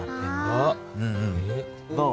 どう？